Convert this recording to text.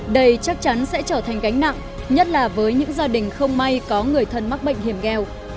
đây chắc chắn sẽ trở thành gánh nặng nhất là với những gia đình không may có người thân mắc bệnh hiểm nghèo